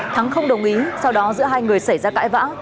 thắng không đồng ý sau đó giữa hai người xảy ra cãi vã